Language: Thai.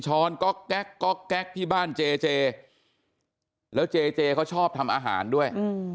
ก๊อกแก๊กก๊อกแก๊กที่บ้านเจเจแล้วเจเจเขาชอบทำอาหารด้วย